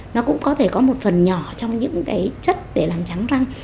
nó cũng có thể có một phần nhỏ trong những cái chất để làm trắng răng